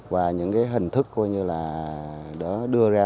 và những hình thức đưa ra